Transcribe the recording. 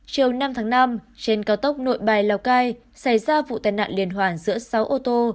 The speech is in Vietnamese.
chiều năm tháng năm trên cao tốc nội bài lào cai xảy ra vụ tai nạn liên hoàn giữa sáu ô tô